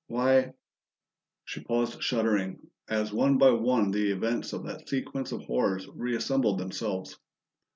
"Why ". She paused shuddering, as one by one the events of that sequence of horrors reassembled themselves.